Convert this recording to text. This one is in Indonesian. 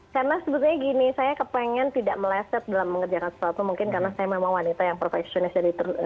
karena sebetulnya gini saya kepengen tidak meleset dalam mengerjakan sesuatu mungkin karena saya memang wanita yang professional